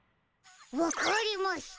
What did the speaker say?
わかりました。